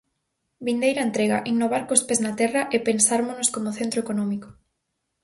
Vindeira entrega: "Innovar cos pés na terra e pensármonos como centro económico".